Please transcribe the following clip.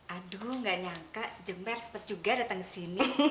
aduh gak nyangka jemer sepet juga datang sini